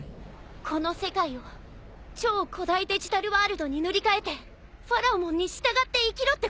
この世界を超古代デジタルワールドに塗り替えてファラオモンに従って生きろってこと？